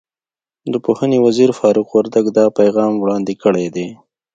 د پوهنې وزیر فاروق وردګ دا پیغام وړاندې کړی دی.